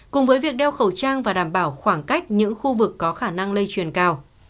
cùng với việc đeo khẩu trang và đảm bảo khoảng cách những khu vực có khả năng lây truyền cao